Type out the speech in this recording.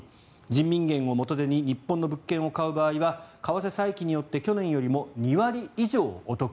人民元を元手に日本の物件を買う場合は為替差益によって去年よりも２割以上お得。